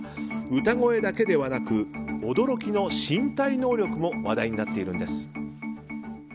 歌声だけではなく驚きの身体能力も話題になっているんです。